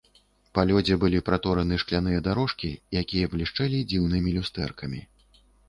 Па лёдзе былі пратораны шкляныя дарожкі, якія блішчэлі дзіўнымі люстэркамі.